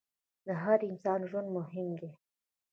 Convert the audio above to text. د هر انسان ژوند مهم دی.